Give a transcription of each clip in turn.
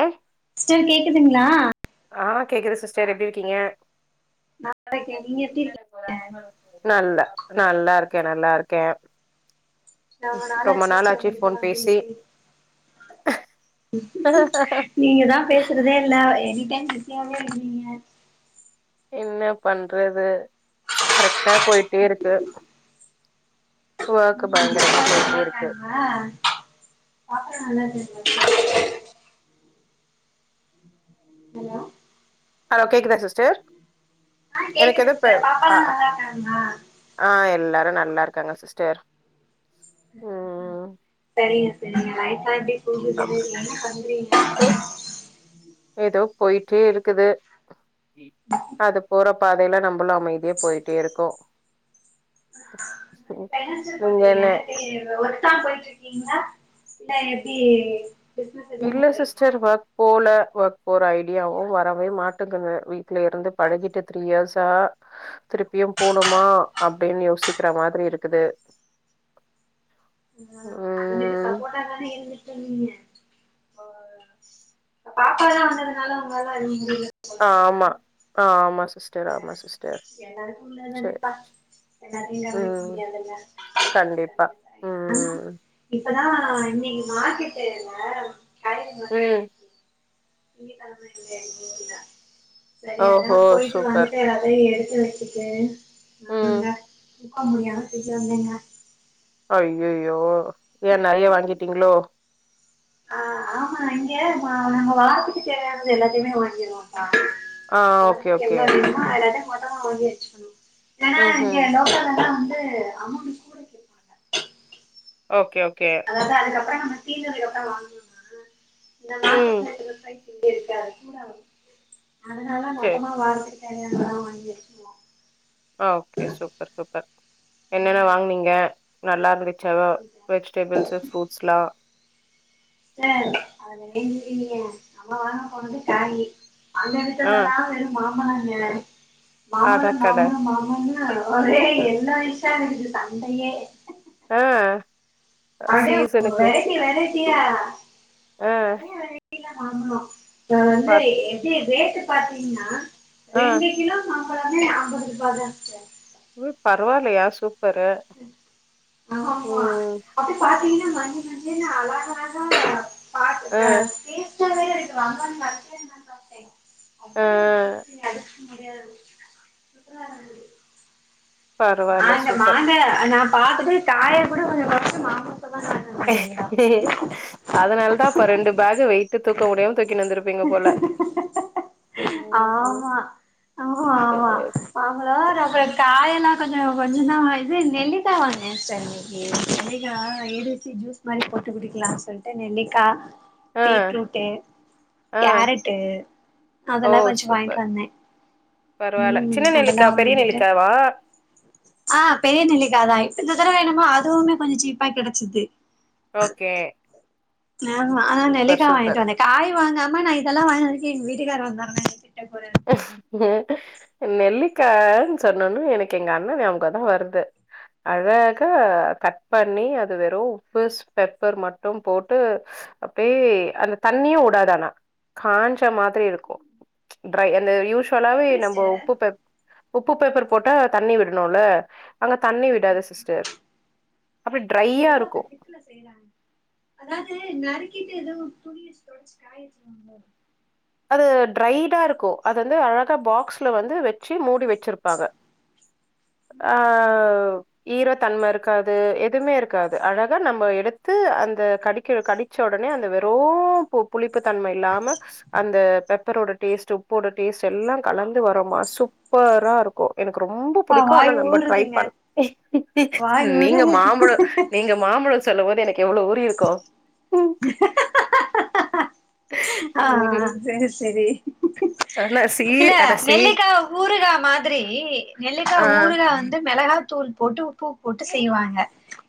அ sister கேக்குதுங்ளா ஆ கேக்குது சிஸ்டர் எப்டி இருக்கீங்க நல்லா இருக்கே நீங்க எப்டி இருக்கீங்க நல்ல நல்லாருக்கே நல்லாருக்கே ரொம்ப நாளாச் சிஸ்டர் உங்கிட்டலா பேசி நீங்க தா பேசுறதே இல்ல எனி டைம் பிஸியாவே இருக்கீங்க என்னப் பண்றது கரெக்டா போயிட்டே இருக்கு ஓர்க் பயங்கரமா போயிட்டே இருக்கு ஆ பாக்கற நானு [unintelligible] ஹலோ ஹலோ கேக்குதா சிஸ்டர் ஆ எனக்கு கேக்குது எதோ இப்ப சிஸ்டர் பாப்பா ஆ எல்லா நல்லா இருக்காங்களா ஆ எல்லாரு நல்லா இருக்காங்க சிஸ்டர் ம் சரி சரிங்க நைட்டெல்லா அப்டியே தூக்கும் போது அப்றோ நீங்க என்னாப் பண்றீங்க ஏதோ போயிட்டே இருக்குது அது போற பாதையெல்லா நம்மளு அமைதியே போயிட்டே இருக்கோ இங்கனே ஒருத்தா போயிட்டு இருக்கீங்களா இல்ல எப்டி பிசினஸ் எதுவு இல்ல பண்றீங்களா சிஸ்டர் வெ போல ஒர்க் போற ஐடியாவு வரவே மாட்டுங்குது வீட்ல இருந்து பழகிட்டு த்ரீ இயர்ஸா திருப்பியு போணுமா அப்டின்னு யோசிக்கிற மாதிரி இருக்குது ஆ அதுகிட்டு ம் சப்போட்டா தானே இருந் பாப்பா தா வந்ததுனால உங்களாலா [unintelligible] ஆமா ஆமாசிஸ்டர் ஆ ஆமாசிஸ்டர் எல்லாருக்கு சேரி உள்ளதுதானேப்பா கண்டிப்பா ம் [unintelligible] இப்பதா இன்னைக் மார்கட்டுல்ல ம் திங்கட்கிழம [unintelligible] சேரி அதா ஓஹோ போயிட்டு சூப்பர் வந்துட்டு எல்லாத்தையு எடுத்து வச்சு ம் [unintelligible] ஐய்யய்யோ ஏ நெறைய வாங்கிட்டீங்களோ ஆ ஆமா இங்க நம்ம வாரத்துக்கு தேவையானது எல்லாத்தையுமே வாங்கிடுவோபா ஆ ஓகே வாரத்துக்கு ஓகே எவ்ளோ வேணுமோ அததெல்லா மொத்தமா வாங்கி வச்சுக்கணு ஏனா இங்க ம்ஹூம் லோக்கல்ல எல்லா வந்து அம ஓகே ஓகே அதா அதுக்கப்றோ நம்ம [unintelligible] தா வாங்கனு இந்த ம் மார்கட் [unintelligible] அதனால சரி மொத்தமா வாரத்துக்கு தேவயானதெல்லா வாங்கி வெச்சுக்குவோ ஆ ஓகே சூப்பர் சூப்பர் என்னென்ன வாங்கனீங்க நல்லா இருந்துச்சா வெஜிடேபிள்ஸூ ஃப்ரூட்ஸ்லா அ [unintelligible] நம்ம வாங்க போனது காயி அங்க ஆ வித்தலல்லா வெரு மாபழங்க மாம்பழ அதா கட மாம்பழ மாம்பழன்னு ஒரே எல்லோ [unintelligible] ம் அப்டியே வெரைட்டி வெரைட்டியா ஆ இப்ப ப வந்து எப்டி ரேட்டு பாத்தீங்கனா ஆ ரெண்டு கிலோ மாம்பழமே ஐம்பது ரூபாயதா இருன்ச்சே ஓ பரவாயில்லையா சூ ஆமா ம் அப்டி பார்த்தீங்கனா மஞ்ச மஞ்சளா அழகஅழகா ஆ [unintelligible] எத்தன பேர் அன்னைக் வங்கனுனு பாத்துட் [unintelligible] ஆ அப்டி ஒரு டேஸ்ட்டு முடியாது [unintelligible] நா பரவால்ல இந்த சூப்பர் மாங்கா நா பாத்துட்டு காய கூட கொஞ்ச வருஷம் [unintelligible] அதனால தா அப்ப ரெண்டு பேக் வெயிட்டு தூக்க முடியாம தூக்கி வந்துருப்பீங்க போல ஆமா சேர் அவங்களா அப்புற காயெல்லா கொஞ்சனா இது நெல்லிகா வாங்கனே நெல்லிக்கா ஏ பி சி ஜூஸ் இது மாரி போட்டு குடிக்கலானு சொல்லிட்டு நெல்லிக்காய் ஆ பீட்ரூட்டு ஆ கேரட்டு அதெல்லா வெச்சு வாய்ன்ட்டு வந்தே பரவால ம் சின்ன அதெல்லா நெல்லுக்காய் பெரிய வாங்கிட்டு நெல்லுக்காவா ஆ பெரிய நெல்லிக்காதா இந்த தடவ என்னமோ அதுவுமே கொஞ்சோ சீப்பா கெடைச்சிது ஓகே ஆ ஆ சூப்பர் நெல்லிக்கா சூப்பர் வாங்ட்டு வந்தே காய் வாங்காம நா இதெல்லா வாங்கினு வந்ததுக்கு எங்க வீட்டுக்கார வந்தாருனா எனை திட்ட போறார் ம் நெல்லிக்கா சொன்னோன்னு எனக்கு எங்க அண்ணன் ஞாபகோ தா வருது அழகா கட் பண்ணி அது வெறு உப்பு சு பெப்பர் மட்டு போட்டு அப்பயே அந்த தண்ணியு வுடாது ஆனா காஞ்ச மாதிரி இருக்கு ட்ரை அந்த அது யூஸ்வலாவே எப்டி நம்ம சிஸ்டர் உப்பு பெப் உப்பு பெப்பர் போட்டா தண்ணி விடணுல அங்க தண்ணி விடாது சிஸ்டர் அப்டி ட்ரையா இருக்கு உப்புல செய்றாங்க அதாவது நறுக்கிட்டு எதுவு துணிய வச்சு தொடச்சு காய வச்சுருனுமோ அது டிரைடா இருக்கு அது வந்து அழகா பாக்ஸ்ல வந்து வச்சு மூடி வ ச்சிருப்பாங்க ஆ ஈர தன்ம இருக்காது எதுமே இருக்காது அழகா நம்ம எடுத்து அந்த கடிக்க வை கடி ச்ச ஒடனே அந்த வெறு பு புளிப்பு தன்மை இல்லாம அந்த பெப்பரோட டேஸ்ட்டு உப்போட டேஸ்ட்டு எல்லா கலந்து வரோமா சூப்பராக இருக்கு எனக்கு ரொம்ப அப்பா பிடிக்கு ஆனா வாய் நம்ப ட்ரை ஊறுதுங்க பண் வாய் ஊற மாம்பழோ சொல்லு போது எனக்கு எவ்ளோ ஊறி இருக்கு ம் ஆ செரி செரி ஆனா இல்ல சீர் ஆனா சீர் நெல்லிக்காவு ஊறுகா மாதிரி நெல்லிக்கா ஆ ஊறுகா வந்து மெளகா தூள் போட்டு உப்பு போட்டு செய்வாங்க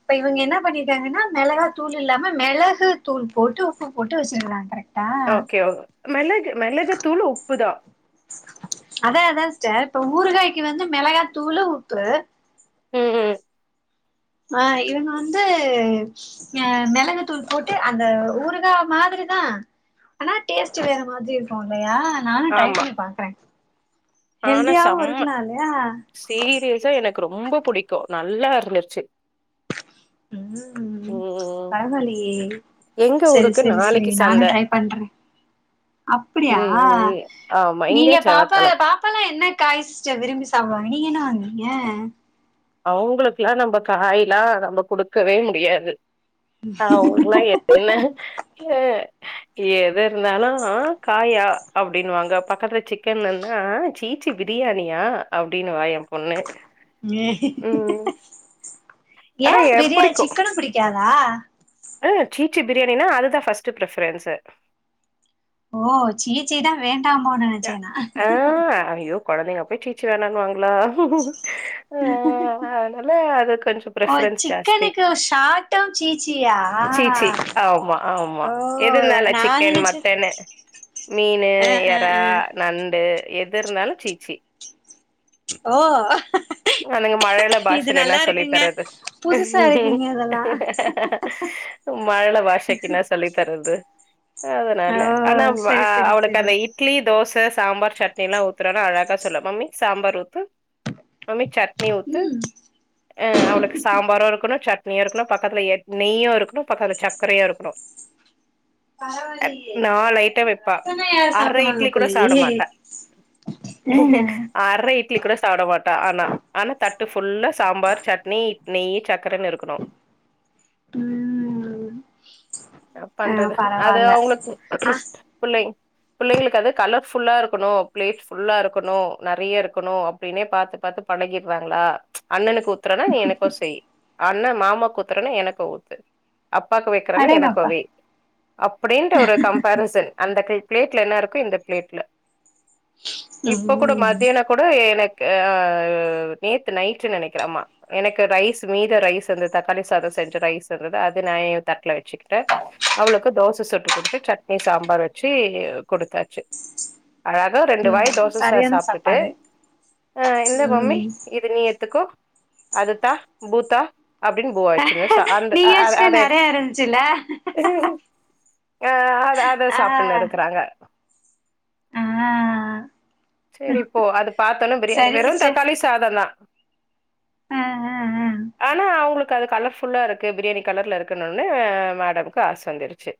இப்ப இவுங்க என்ன பண்ணிட்டாங்கன்னா மெளகா தூள் இல்லாம மெளகு தூள் போட்டு உப்பு போட்டு வச்சுக்கலான்ங் கரெக்ட் ஓகே ஓ மெளகு மெளகுத்தூள் உப்புதா அதா அதா சிஸ்டர் இப்ப ஊறுகாய்க்கு வந்து மெளகா தூளு உப்பு ஆ இவுங்க வந்து அ மெளகுத்தூள் போட்டு அந்த ஊறுகா மாதிரி தா ஆனா டேஸ்ட்டு வேற மாதிரி இருக்கு இல்லையா நானு ட்ரை ஆமா பண்ணி பாக்குறே ஆனா ஹெல்தியாவு இருக்கலா இல்லையா ச்ச எனக்கு ரொம்ப புடிக்கு நல்லா இருந்துருச்சு ம் ம். பரவால்லியே எங்க செரி ஊருக்கு செரி செரி நாளைக்கு நானு சந்த. ட்ரை பண்றே அப்டியா ம் ம். ஆமா. இங்க நீங்க பாப்பா செவ்வாய்க்கிழம. பா நீங்க என்ன காய் சிஸ்டர் விரும்பி சாப்டுவாங்க நீ என்ன வாங்குவீங்க அவுங்களுக்குல்லா நம்ப காய் ல்லா நம்ப குடுக்கவே முடியாது அவுங்களா ஏ என்ன ஹ எது இருந்தாலு காயா அப்டின்வாங்க பக்கத்துல சிக்கனுன்னா சீச் சி பிரியாணியா அப்டின்னு வா எ பொண்ணு ம். ஏ ஆனா எ பிரியா சிக்கனு பிடிக்காதா ஆ சீச்சி பிரியாணின்னா அதுதா ஃபஸ்ட்டு பிரீஃபரென்ஸு ஓ சீச்சி னா வேண்டாமோ அ நெனச்சே நா ஆ யோ கொழந்தைங்க போய் சீச்சி வேணானு வாங்களா அ ஆ அதனால அது கொஞ்சோ ஓ பிரிஃபரென்ஸ் ஜாஸ்தி சிக்கனுக்கு ஷார்ட்டும் சீச்சியா சீச்சி ஆமா ஆமா ஓ எது இருந்தாலு நா சிக்கன் நெனச்சே மட்டனு மீனு அ அ எறா அ நண்டு எது இருந்தாலு சீச்சி ஓ அதுங்க மழல இது பாஷைலே என்ன நல்லா சொல்லி இருக்குங்க தரது புதுசா இருக்குங்க இதெல்லா மழல பாஷைக்கு என்ன சொல்லி தரது அதனால ஓ ஆனா ஆ செரி செரி அவனுக்கு செரி அந்த இட் லி தோச சாம்பார் சட்னி எல்லா ஊத்தறோன்னா அழகா சொல்லு மம்மி சாம்பார் ஊத்து மம்மி சட்னி ஊத்து ம் ஆ அவளுக்கு சாம்பாரு இருக்கணு சட்னியு இருக்கணு பக்கத்துல எண் நெய்யு இருக்கணு பக்கத்துல சர்க்கரையு இருக்கணு அ பரவாயில்லையே நாலு ஐட்டம் வைப்ப ரசனா யாரு அரை சாப்டுவாங்க இட்லி கூட சாப்ட போலயே மாட்டா ம் அரை இட் லி கூட சாப்ட மாட்டா ஆனா ஆனா தட்டு ஃபுல்லா சாம்பார் சட்னி இட் நெய் சக்கரனு இருக்கு கனு ம் ஆ என்னாப்பண்றது அது பரவால்ல அவங்களுக்கு அ புள்ளைங் பிள்ளைங்களுக்கு அது கலர்ஃபுல்லா இருக்கணும் பிளேட் ஃபுல்லா இருக்கணும் நெறைய இருக்கணும் அப்டின்னே பாத்து பாத்து பழகிறாங்களா அண்ணனுக்கு உத்தரனா நீ எனக்கு செய் அண்ண மாமாக்கு ஊத்துறன்னா எனக்கு ஊத்து அப்பாக்கு வைக்கிறால எனக்கு அடேங்கப்பா வை அப்டின்ற ஒரு கம்பாரிசன் அந்த பிளேட்ல என்ன இருக்கோ இந்த பிளேட்ல இப்ப கூட ம் மத்தியான கூட எனக்கு அ நேத்து நைட்டு் நெனைக்கிற ஆமா எனக்கு ரைஸ் மீத ரைஸ் இருந்தது தக்காளி சாதம் செஞ்ச ரைஸ் இருந்தது அது நா ஏ தட்ல வச்சுக்கிட்டே அவளுக்கு தோசை சுட்டு குடுத்து சட்னி சாம்பார் வச்சு குடுத்தாச்சு அழகா ரெண்டு ம் வாய் தோசை சா சரியான சாப்டுட்டு சாப்பாடு அ இந்த ம் இது நீ எடுத்துக்கோ அது தா பூத்தா அப்டின்னு பூவாவச்சுன்னு ச அந்த ஆ நீங்க அ வச்சுக்க அத எடுத் நெறைய இருந்துச்சுல்ல அ அத அத ஆ சாப்டுன்னு இருக்கறாங்க ஆ சேரிப்போ அது பார்த்தோனே பிரியாணி சரி வெறு சிஸ்டர் தக்காளி சாதந் தா ஆ ஆ ஆ ஆனா அவங்களுக்கு அது கலர் ஃபுல்லா இருக்கு பிரியாணி கலர்ல இருக்குனோனே மேடம்க்கு ஆச வந்துடுச்சு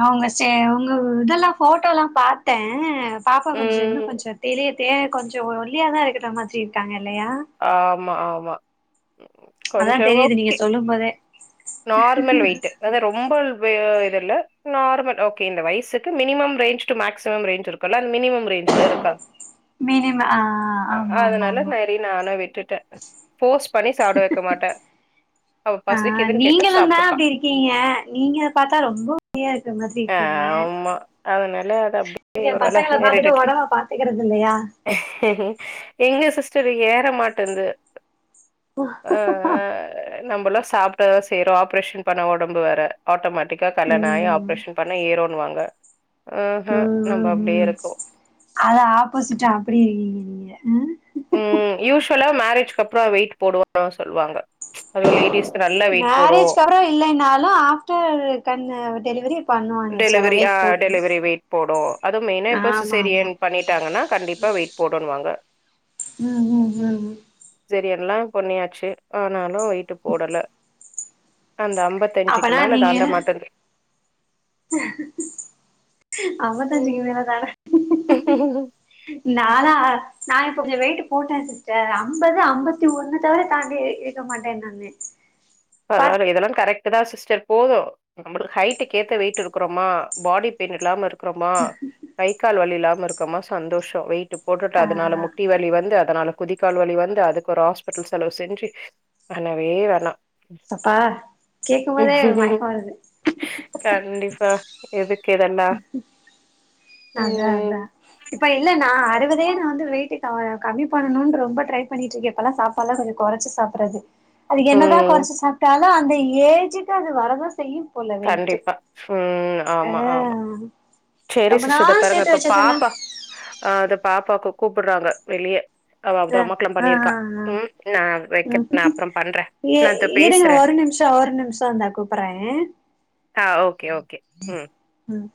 அவங்க செ உங்க இதெல்லாம் போட்டோ எல்லாம் பாத்தே பாப்பா கொஞ்சோ இன்னு ம் கொஞ்சோ பெரியப் தே கொஞ்சோ ஒல்லியா தா இருக்கிற மாதிரி இருக்காங்க இல்லையா ஆமா ஆமா ம் ம் அதா கொஞ்சோ தெரியுது நீங்க ஓகே சொல்லும் போதே நார்மல் வெயிட்டு அத ரொம்ப வே இது இல்ல நார்மல் ஓகே இந்த வயசுக்கு minimum range to maximum range இருக்கு இப்போல்லாம் மினிமம் ரேஞ்ல இருக்கா மினிம ஆ ஆமாமாமா நாலா விட்டுட்டே ஃபோர்ஸ் பண்ணி சாப்ட வைக்க மாட்டே ஆ நீங்களுந்தா சாப்ட்டுப்பா. அப்டி இருக்கீங்க நீங்க பாத்தா ரொம்ப ஒல்லியா இருக்க மாதிரி இருக்கீங்க அதுனால அதப் நீங்க பசங்கள பாத்துட்டு ஒடம்ப பாத்துக்கிறது இல்லையா எங்க சிஸ்டர் ஏற மாட்டேன்து ஆ ஆ நம்மளா சாப்ட்டதா செய்றோம் ஆப்ரேஷன் பண்ண ஒடம்பு வேற ஆட்டோமேட்டிக்கா கல்யாண ஆயி ஆப் ம் ரேசன் பண்ணா ஏறுன்னுவாங்க ஹூஹூ நம்ப அப்டியே இருக்கோ அத ஆப்போசிட்டா அப்டி இருக்கீங்க ம் ம் யூஸ்வலா மேரேஜ்கப்புற வெயிட் போடுவாங்க சொல்லுவாங்க அது லேடிஸ் மேரேஜ்கப்புறம் இல்லைனாலும் ஆஃப்டர் கண் டெலிவரி பண்ணுவாங்க ச டெலிவரி ஆ வெயிட் போட்ரு டெலிவரி வெயிட் போடும் அது மெய்னா இப்ப ஆமா ஆமா சிசேரியன் பண்ணிட்டாங்கன்னா கண்டிப்பா வெயிட் போட்டுன்னு வாங்க ம் ம் ம் ம் சரிஎல்லாம் பண்ணியாச்சு ஆனாலும் வெயிட்டிங் போடல அந்த ஐம்பத் அப்பனா நீங்கென அம்பத்தஞ்சு கிலோ தானா ம் நாலா நா இப்ப கொஞ்சோ வெயிட்டு போட்டே சிஸ்டர் அம்பது அம்பத்தி ஒண்ணு தவிர தாண்டி இருக்க மாட்டேன் நானு பா பரவால இதெல்லாம் கரெக்ட் தான் சிஸ்டர் போதும் நம்ளுக்கு ஹைட்டுகேத்த வெயிட் இருக்கறோமா பாடி பெயின் இல்லாம இரு க்கறோமா கை கால் வழி இல்லாம இருக்கோமா சந்தோஷம் வெயிட்டு போட்டுட்டு ஆ அதனால முட்டி வலி வந்து அதனால குதி கால் வலி வந்து அதுக்கு ஒரு ஹாஸ்பிட்டல் செலவு செஞ்சு ஆனவே வேணாம் அப்பா கேக்குபோதே ஒரு மயக்கம் வருது கண்டிப்பா எதுக்கு இதெல்லாம் ம் அதான் இப்ப இல்லனா அறுவதே நான் வந்து வெயிட்டு கம்மி பண்ணணும்னு ரொம்ப ட்ரை பண்ணிட்டு இருக்கே இப்பல்லே சாப் பல்லாம் கொஞ்சம் கொறைச்சி சாப்டுறது அது என்னதான் ம் கொறைச்சு சாப்ட்டாலும் அந்த ஏஜுக்கு அது வரதான் செய்யும் போல வெயிட்டு கண்டிப்பா ம் ம் ஆ செரி ரொம்ப சிஸ்டர் இத நாள் பாருங்க சேத்து இப்ப வச்சதெல்லா பாப்பா ஆ அத பாப்பா கூப்றாங்க வெளிய அவத ஆ அம்மாக்கெல்லாம் ஆ ஆ பண்ணியிருக்கா ஆ ம் நான் ம் வைக்கிறேன் நான் அப்றம் பண்றேன் இ நான் இருங்க பேசுறேன் ஒரு நிமிஷோ ஒரு நிமிஷம் இந்தா கூப்பறேன் ஆ ஓகே ஓகே ம் ம்